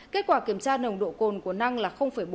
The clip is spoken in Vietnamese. kết quả kiểm tra nồng độ côn của năng là bốn trăm năm mươi